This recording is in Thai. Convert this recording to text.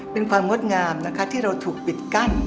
เป็นความงดงามนะคะที่เราถูกปิดกั้น